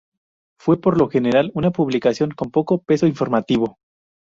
Fue por lo general una publicación con poco peso informativo.